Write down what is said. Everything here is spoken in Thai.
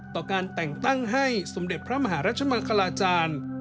ต่อการแต่งตั้งให้สมเด็จพระมหารัชมังคลาจารย์